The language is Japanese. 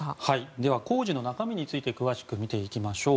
では工事の中身について詳しく見てきましょう。